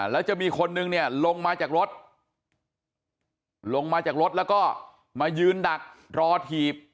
แล้วจะมีคนนึงเนี่ยลงมาจากรถลงมาจากรถแล้วก็มายืนดักรอถีบ